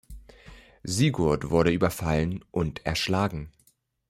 Sigurd wurde überfallen und erschlagen.